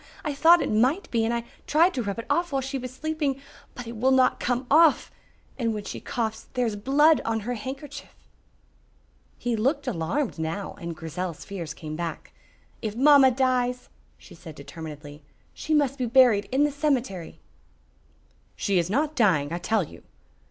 I thought it might be and I tried to rub it off while she was sleeping, but it will not come off. And when she coughs there is blood on her handkerchief." He looked alarmed now, and Grizel's fears came back. "If mamma dies," she said determinedly, "she must be buried in the cemetery." "She is not dying, I tell you."